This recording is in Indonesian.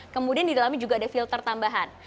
kemudian di dalamnya juga ada filter tambahan